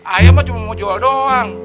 ayam mah cuma mau jual doang